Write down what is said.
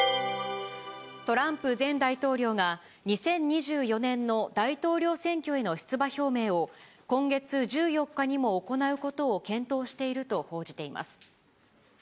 トランプ前大統領が、２０２４年の大統領選挙への出馬表明を今月１４日にも行うことを検討していると報じています。